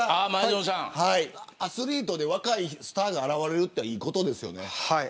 アスリートで若いスターが現れるのはいいことですよね。